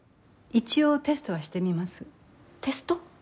一応テストはしてみます。